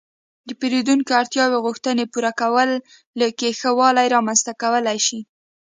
-د پېرېدونکو اړتیاو او غوښتنو پوره کولو کې ښه والی رامنځته کولای شئ